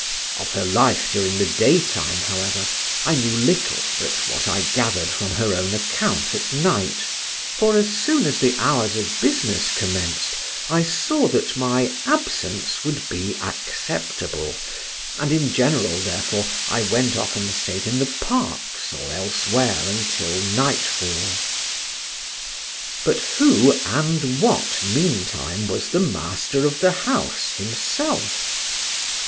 Of her life during the daytime, however, I knew little but what I gathered from her own account at night, for as soon as the hours of business commenced I saw that my absence would be acceptable, and in general, therefore, I went off and sate in the parks or elsewhere until nightfall. But who and what, meantime, was the master of the house himself?